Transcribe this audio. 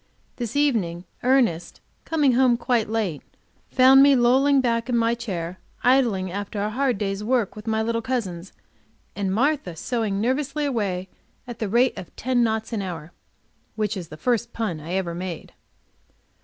This evening, Ernest, coming home quite late, found me lolling back in my chair, idling, after a hard day's work with my little cousins, and Martha sewing nervously away at the rate of ten knots an hour, which is the first pun I ever made.